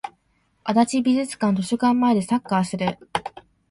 足立美術館図書館前でサッカーする